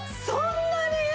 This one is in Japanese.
そんなに！？